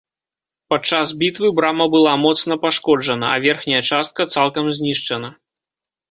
Падчас бітвы брама была моцна пашкоджана, а верхняя частка цалкам знішчана.